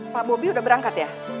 pak bobby udah berangkat ya